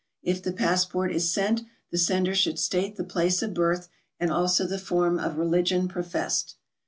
If the passport is sent, the sender should state the place of birth and also the form of religion professed.